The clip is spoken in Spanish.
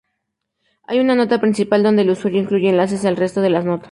Hay una nota principal donde el usuario incluye enlaces al resto de las notas.